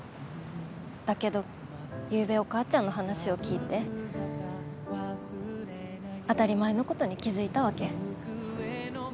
だけどゆうべお母ちゃんの話を聞いて当たり前のことに気付いたわけ。